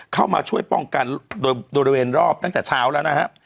เข้ามาช่วยป้องกันโดยบริเวณรอบตั้งแต่เช้าแล้วนะฮะ